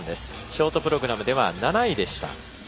ショートプログラムでは７位でした。